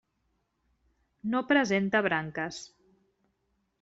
No presenta branques.